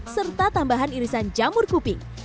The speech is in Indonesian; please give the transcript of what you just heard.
serta tambahan irisan jamur kuping